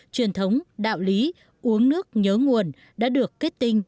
truyền thống đạo lý uống nước nhớ nguồn đã được kết tinh